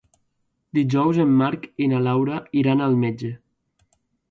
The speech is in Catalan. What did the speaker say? Dijous en Marc i na Laura iran al metge.